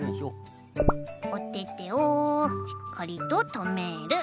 おててをしっかりととめる。